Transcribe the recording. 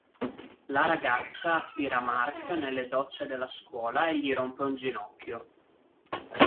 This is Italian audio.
La ragazza attira Mark nelle docce della scuola e gli rompe un ginocchio.